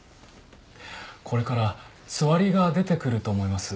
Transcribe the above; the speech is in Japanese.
これからつわりが出てくると思います。